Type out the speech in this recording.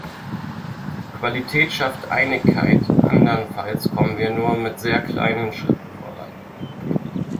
Qualität schafft Einigkeit, andernfalls kommen wir nur mit sehr kleinen Schritten voran.